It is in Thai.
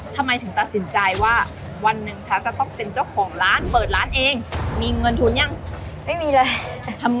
ทำไมถึงตัดสินใจว่าวันหนึ่งฉันก็ต้องเป็นเจ้าของร้าน